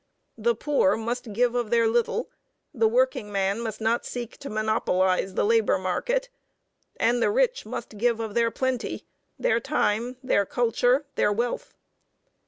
The poor must give of their little the workingman must not seek to monopolize the labor market; and the rich must give of their plenty their time, their culture, their wealth.